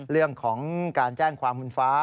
เรื่องของการแจ้งความคุณฟ้า